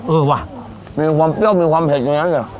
เออว่ะมีความเปรี้ยวมีความเผ็ดอยู่ในนั้นสิ